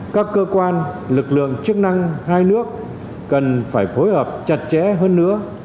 các cơ quan lực lượng chức năng hai nước cần phải phối hợp chặt chẽ hơn nữa